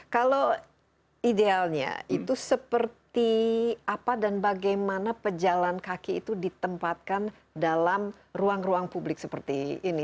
kalau idealnya itu seperti apa dan bagaimana pejalan kaki itu ditempatkan dalam ruang ruang publik seperti ini